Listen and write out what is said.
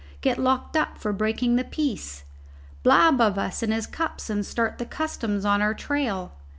Get locked up for breaking the peace? Blab of us in his cups and start the Customs on our trail?